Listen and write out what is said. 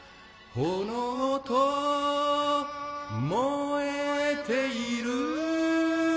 炎と燃えている